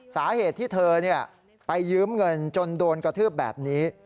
สาเหตุที่เธอไปยืมเงินจนโดนกระทืบแบบนี้